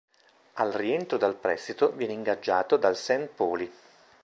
Al rientro dal prestito, viene ingaggiato dal St. Pauli.